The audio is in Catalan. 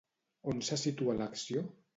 On se situa l'acció?